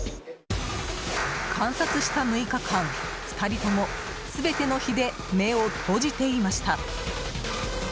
観察した６日間、２人とも、全ての日で目を閉じていました。